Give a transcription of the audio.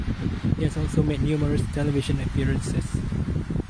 He has also made numerous television appearances.